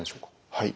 はい。